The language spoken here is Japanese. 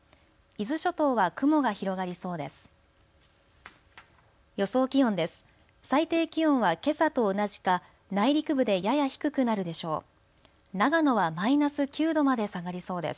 伊豆諸島は雲が広がりそうです。